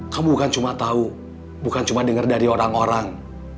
kamu bukan cuma tahu bukan cuma dengar dari orang orang